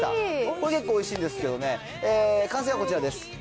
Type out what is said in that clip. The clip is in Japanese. これ、結構おいしいんですけどね、完成はこちらです。